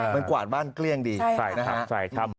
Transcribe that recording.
มันกวาดบ้านเกลี้ยงดีใช่ครับ